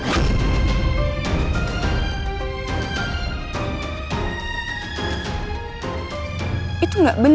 sesuatu yang tidak terjadi